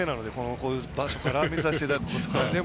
こういう場所から見させていただくことが。